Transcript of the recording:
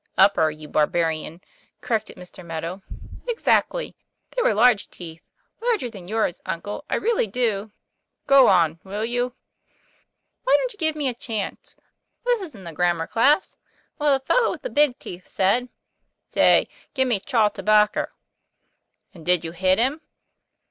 "Upper, you barbarian," corrected Mr. Meadow. "Exactly. They were large teeth; larger than yours, uncle, I really do " "Go on, will you ?"" Why don't you give me a chance? This isn't a grammar class. Well, the fellow with the big teeth said, 'Say, gimme chaw terbacker. ' "And did you hit him